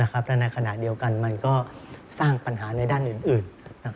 และในขณะเดียวกันมันก็สร้างปัญหาในด้านอื่น